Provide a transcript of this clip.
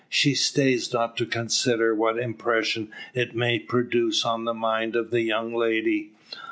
She stays not to consider what impression it may produce on the mind of the young lady.